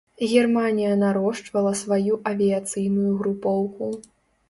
Германія нарошчвала сваю авіяцыйную групоўку.